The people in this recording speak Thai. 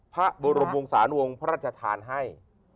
๒พระบรมวงศาลวงภรรจทานให้